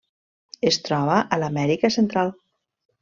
Es troba a l'Amèrica Central: